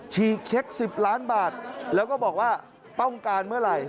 เค้ก๑๐ล้านบาทแล้วก็บอกว่าต้องการเมื่อไหร่